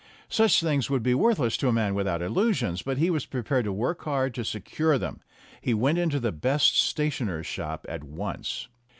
Such things would be worthless to a man without illusions, but he was prepared to work hard to secure them. He went into the best stationer's shop at once.